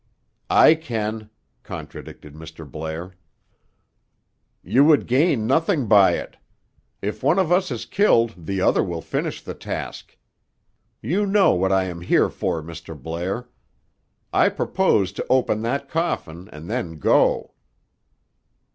"I can," contradicted Mr. Blair. "You would gain nothing by it. If one of us is killed the other will finish the task. You know what I am here for, Mr. Blair. I purpose to open that coffin and then go."